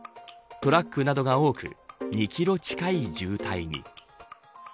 トラックなどが多く２キロ近い渋滞に。